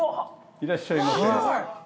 いらっしゃいませ。